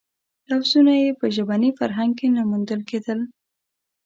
لفظونه یې په ژبني فرهنګ کې نه موندل کېدل.